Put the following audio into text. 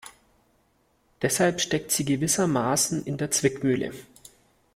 Deshalb steckt sie gewissermaßen in der Zwickmühle.